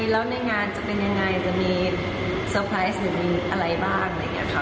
แล้วในงานจะเป็นยังไงจะมีเซอร์ไพรส์หรือมีอะไรบ้างอะไรอย่างนี้ค่ะ